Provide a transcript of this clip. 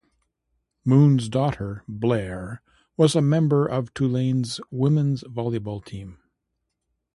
Moon's daughter, Blair, was a member of Tulane's women's volleyball team.